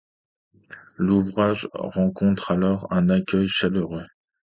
L'ouvrage rencontre alors un accueil chaleureux.